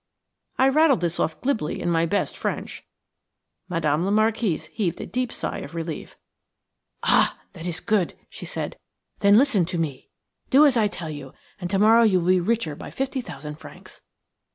I rattled this off glibly in my best French. Madame la Marquise heaved a deep sigh of relief. "Ah! that is good!" she said. "Then listen to me. Do as I tell you, and to morrow you will be richer by fifty thousand francs.